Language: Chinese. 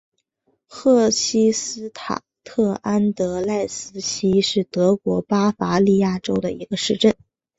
赫希斯塔特安德赖斯希是德国巴伐利亚州的一个市镇。